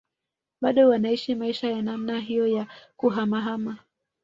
Bado wanaishi maisha ya namna hiyo ya kuhamahama